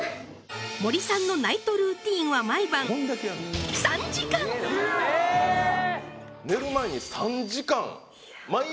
森さんのナイトルーティーンは毎晩えっ？